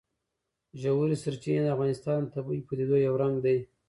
ژورې سرچینې د افغانستان د طبیعي پدیدو یو رنګ دی.